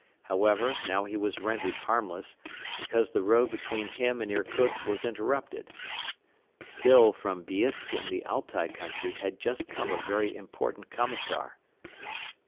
However, now he was rendered harmless, because the road between him and Irkutsk was interrupted. Still from Biisk in the Altai country had just come a very important commissar.